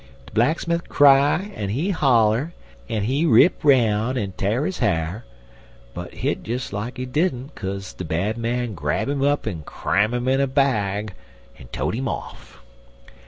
De blacksmif cry en he holler, en he rip 'roun' en t'ar his ha'r, but hit des like he didn't, kase de Bad Man grab 'im up en cram 'im in a bag en tote 'im off.